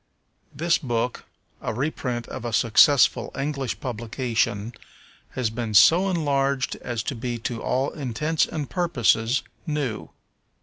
This book, a reprint of a successful English publication, has been so enlarged as to be to all intents and purposes new.